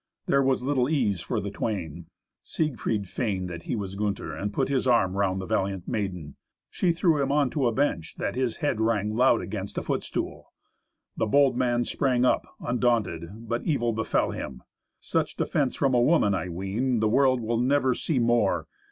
There was little ease for the twain. Siegfried feigned that he was Gunther, and put his arm round the valiant maiden. She threw him on to a bench, that his head rang loud against a foot stool. The bold man sprang up undaunted, but evil befell him. Such defence from a woman I ween the world will never see more.